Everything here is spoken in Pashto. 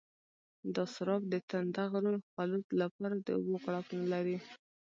دا سراب د تنده غرو خولو لپاره د اوبو غړپ نه لري.